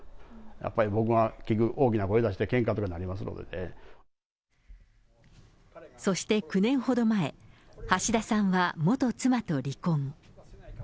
やっぱり僕が、結局大きな声出して、そして９年ほど前、橋田さんは元妻と離婚。